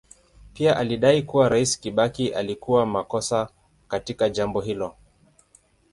Pia alidai kuwa Rais Kibaki alikuwa makosa katika jambo hilo.